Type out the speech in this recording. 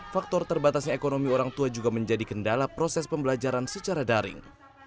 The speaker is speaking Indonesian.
faktor terbatasnya ekonomi orang tua juga menjadi kendala proses pembelajaran secara daring